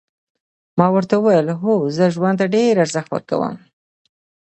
ما ورته وویل هو زه ژوند ته ډېر ارزښت ورکوم.